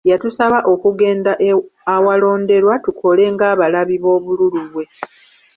Yatusaba okugenda awalonderwa tukole ng'abalabi b'obululu bwe.